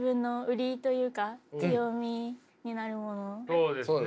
そうですね